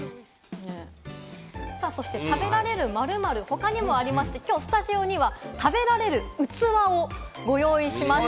そして食べられる○○、他にもありまして、きょうスタジオには食べられる器をご用意しました。